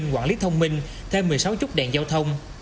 quản lý thông minh thêm một mươi sáu chút đèn giao thông